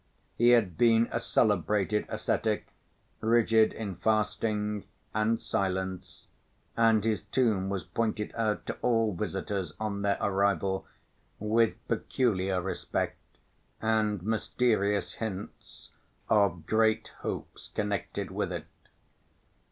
He had been a celebrated ascetic, rigid in fasting and silence, and his tomb was pointed out to all visitors on their arrival with peculiar respect and mysterious hints of great hopes connected with it.